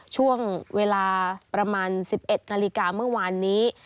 ช่วงเวลาประมาณ๑๑นาฬิกาเมื่อวานนี้